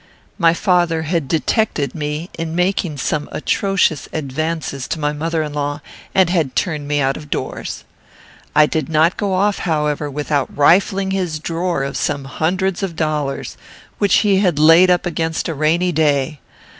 My father had detected me in making some atrocious advances to my mother in law, and had turned me out of doors. I did not go off, however, without rifling his drawer of some hundreds of dollars, which he had laid up against a rainy day.